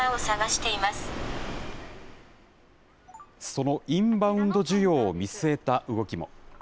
そのインバウンド需要を見据えた動きも。